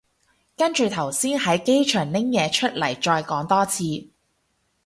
跟住頭先喺機場拎嘢出嚟再講多次